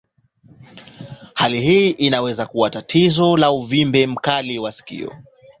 Hali hii inaweza kuwa tatizo la uvimbe mkali wa sikio.